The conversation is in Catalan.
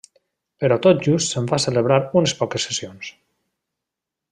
Però tot just se'n va celebrar unes poques sessions.